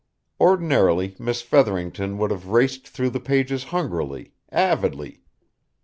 Ordinarily Miss Featherington would have raced through the pages hungrily, avidly.